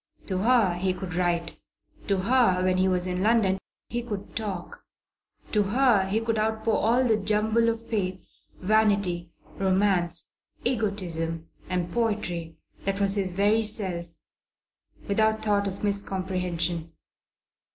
To her he could write; to her, when he was in London, he could talk; to her he could outpour all the jumble of faith, vanity, romance, egotism and poetry that was his very self, without thought of miscomprehension.